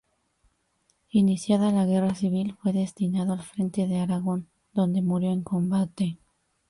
Iniciada la Guerra Civil fue destinado al Frente de Aragón donde murió en combate.